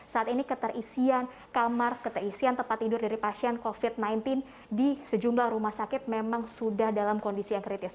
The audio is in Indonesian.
saat ini keterisian kamar keterisian tempat tidur dari pasien covid sembilan belas di sejumlah rumah sakit memang sudah dalam kondisi yang kritis